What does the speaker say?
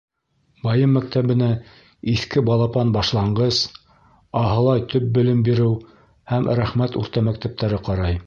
Байым мәктәбенә Иҫке Балапан башланғыс, Аһылай төп белем биреү һәм Рәхмәт урта мәктәптәре ҡарай.